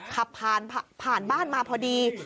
ขับผ่านบ้านมาพอดี